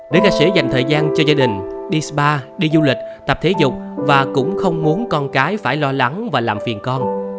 nữ ca sĩ dành thời gian cho gia đình đi spa đi du lịch tập thể dục và cũng không muốn con cái phải lo lắng và làm phiền con